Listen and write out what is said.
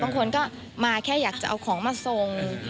บางคนก็มาแค่อยากจะเอาของมาส่ง